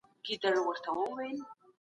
او تا تر سترګو بد ايــسو